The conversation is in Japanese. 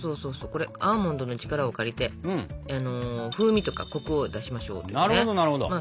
これアーモンドの力を借りて風味とかコクを出しましょうというね。